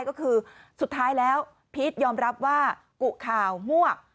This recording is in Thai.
ก็คือสุดท้ายแล้วพีชยอมรับว่ากุข่าวมวก